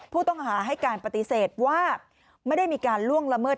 ผู้ต้องหาให้การปฏิเสธว่าไม่ได้มีการล่วงละเมิด